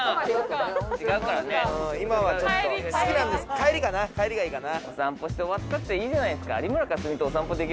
帰りかな帰りがいいかな。